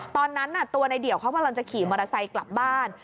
ตอนนั้นตัวในเดี่ยวเขากำลังจะขี่มอเตอร์ไซค์กลับบ้าน